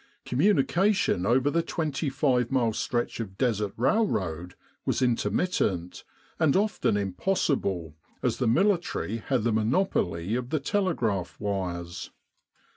Communication over the 25 mile stretch of Desert railroad was inter mittent, and often impossible as the military had the monopoly of the telegraph wires.